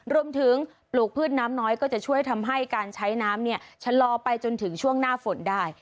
ปลูกพืชน้ำน้อยก็จะช่วยทำให้การใช้น้ำเนี่ยชะลอไปจนถึงช่วงหน้าฝนได้